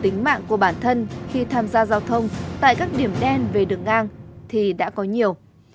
tính mạng của bản thân khi tham gia giao thông tại các điểm đen về đường ngang thì đã có nhiều